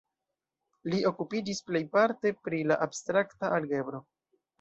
Li okupiĝis plejparte pri la abstrakta algebro.